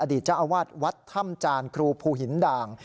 เจ้าอาวาสวัดถ้ำจานครูภูหินด่าง